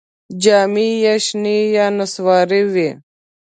جامې یې شنې یا نسواري وې.